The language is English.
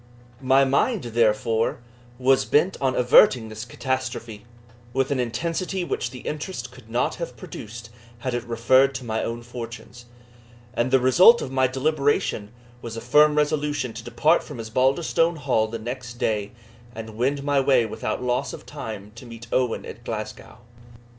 My mind, therefore, was bent on averting this catastrophe, with an intensity which the interest could not have produced had it referred to my own fortunes; and the result of my deliberation was a firm resolution to depart from Osbaldistone Hall the next day and wend my way without loss of time to meet Owen at Glasgow.